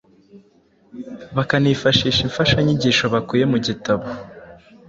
bakanifashisha imfashanyigisho bakuye mu gitabo